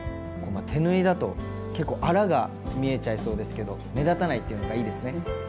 手縫いだと結構アラが見えちゃいそうですけど目立たないっていうのがいいですね。